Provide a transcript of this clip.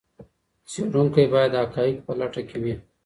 څېړونکی باید د حقایقو په لټه کې وي.